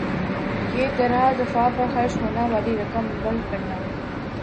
یِہ طرح دفاع پر خرچ ہونا والی رقم ملک کرنا